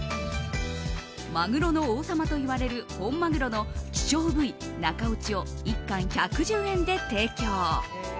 マグロの王様といわれる本マグロの希少部位、中落ちを１貫１１０円で提供。